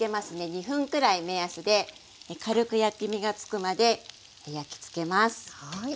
２分くらい目安で軽く焼き目がつくまで焼きつけます。